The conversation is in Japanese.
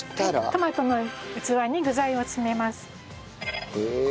トマトの器に具材を詰めます。